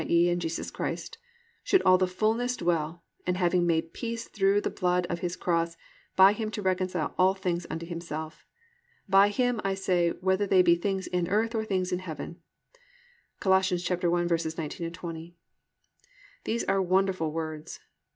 e., in Jesus Christ) +should all the fullness dwell and, having made peace through the blood of His cross, by Him to reconcile all things unto Himself; by Him, I say, whether they be things in earth, or things in Heaven"+ (Col. 1:19, 20). These are wonderful words.